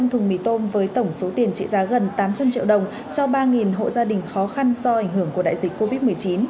chương trình đã tạo ra một số tiền trị giá gần tám trăm linh triệu đồng cho ba hộ gia đình khó khăn do ảnh hưởng của đại dịch covid một mươi chín